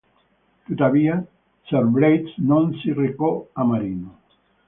Tuttavia sir Blades non si recò a Marino.